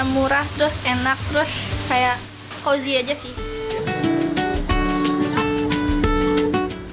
murah terus enak terus kayak cozy aja sih